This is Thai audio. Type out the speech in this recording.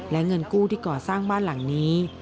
และเงินกู้ที่ก่อสร้างบ้านหลังนี้